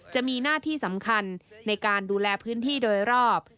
จะมีหน้าที่สำคัญในการดูแลพื้นที่โดยรอบ